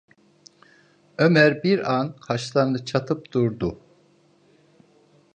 Ömer bir an kaşlarını çatıp durdu.